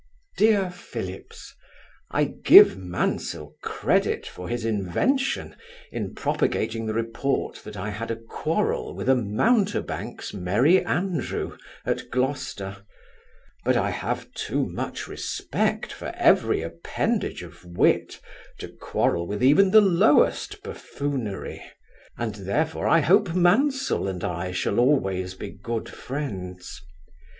DEAR PHILLIPS, I give Mansel credit for his invention, in propagating the report that I had a quarrel with a mountebank's merry Andrew at Gloucester: but I have too much respect for every appendage of wit, to quarrel even with the lowest buffoonery; and therefore I hope Mansel and I shall always be good friends.